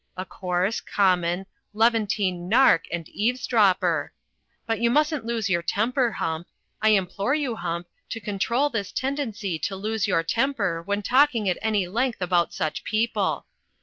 A coarse, common, Levantine nark and eaves dropper — ^but you mustn't lose your temper, Hump. I implore you, Hump, to control this tendency to lose yoiu" temper when talking at any length about such people.